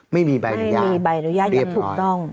ไม่มีใบอนุญาตเรียบร้อยไม่มีใบอนุญาตอย่างถูกต้อง